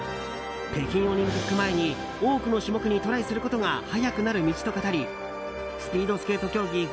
北京オリンピック前に多くの種目にトライすることが速くなる道と語りスピードスケート競技